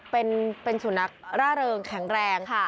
เป็นสูงนักร่าเริงแข็งแรงค่ะ